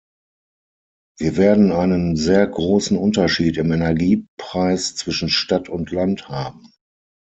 Wir werden einen sehr großen Unterschied im Energiepreis zwischen Stadt und Land haben.